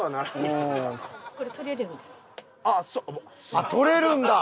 あっ取れるんだ！